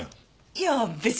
いや別に。